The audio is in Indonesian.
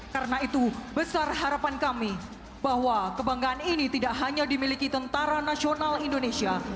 karena itu besar harapan kami bahwa kebanggaan ini tidak hanya dimiliki tentara nasional indonesia